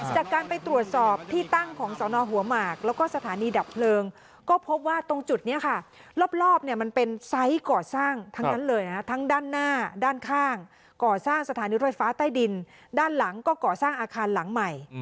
จากการไปตรวจสอบที่ตั้งของสอนอหัวหมากแล้วก็สถานีดับเพลิงก็พบว่าตรงจุดนี้ค่ะรอบเนี่ยมันเป็นไซส์ก่อสร้างทั้งนั้นเลยนะทั้งด้านหน้าด้านข้างก่อสร้างสถานีรถไฟฟ้าใต้ดินด้านหลังก็ก่อสร้างอาคารหลังใหม่